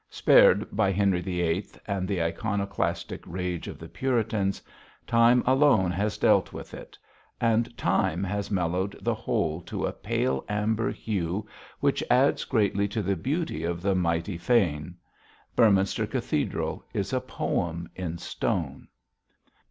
Spared by Henry VIII. and the iconoclastic rage of the Puritans, Time alone has dealt with it; and Time has mellowed the whole to a pale amber hue which adds greatly to the beauty of the mighty fane. Beorminster Cathedral is a poem in stone.